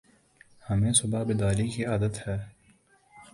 ہمیں صبح بیداری کی عادت ہے ۔